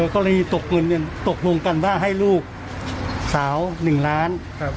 กรณีตกเงินค่ะให้ลูกสาว๑ล้าน